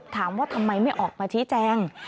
ถามว่าทำไมไม่ออกมาชี้แจง